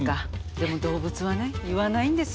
でも動物はね言わないんですよ。